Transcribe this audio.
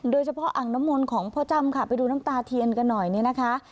อ่างน้ำมนต์ของพ่อจ้ำค่ะไปดูน้ำตาเทียนกันหน่อยเนี่ยนะคะ